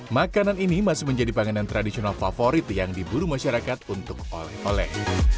makanan ini masih menjadi panganan tradisional favorit yang diburu masyarakat untuk oleh oleh